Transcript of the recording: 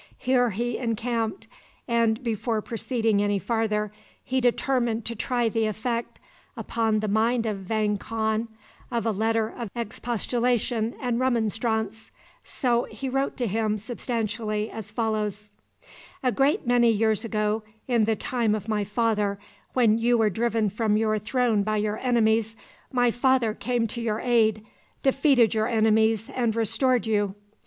Here he encamped, and, before proceeding any farther, he determined to try the effect, upon the mind of Vang Khan, of a letter of expostulation and remonstrance; so he wrote to him, substantially, as follows: "A great many years ago, in the time of my father, when you were driven from your throne by your enemies, my father came to your aid, defeated your enemies, and restored you.